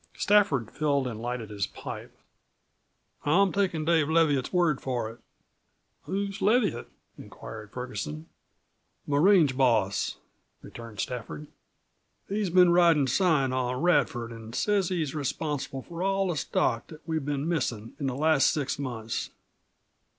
Stafford filled and lighted his pipe. "I'm takin' Dave Leviatt's word for it," he said. "Who's Leviatt?" queried Ferguson. "My range boss," returned Stafford. "He's been ridin' sign on Radford an' says he's responsible for all the stock that we've been missin' in the last six months."